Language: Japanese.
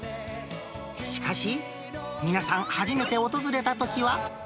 しかし、皆さん、初めて訪れたときは。